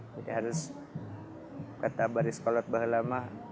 jadi harus kata baris kolot bahlamah